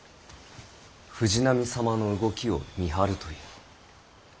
藤波様の動きを見張るという。